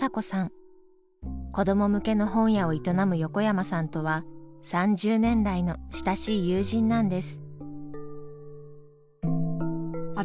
子ども向けの本屋を営む横山さんとは３０年来の親しい友人なんです。